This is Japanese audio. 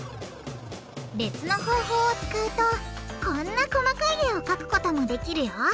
別の方法を使うとこんな細かい絵を描くこともできるよ！